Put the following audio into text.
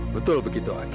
betul begitu aki